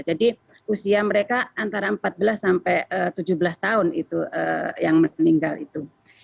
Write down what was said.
jadi usia mereka antara empat belas sampai tujuh belas tahun itu yang meninggal itu